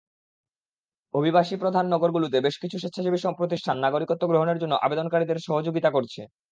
অভিবাসীপ্রধান নগরগুলোতে বেশ কিছু স্বেচ্ছাসেবী প্রতিষ্ঠান নাগরিকত্ব গ্রহণের জন্য আবেদনকারীদের সহযোগিতা করছে।